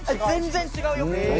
全然違うよ。